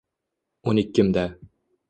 O’n ikkimda